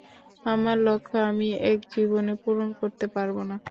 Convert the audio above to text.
আমার লক্ষ্য আমি এক জীবনে পূরণ করতে পারব না!